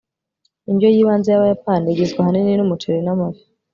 indyo yibanze yabayapani igizwe ahanini numuceri n amafi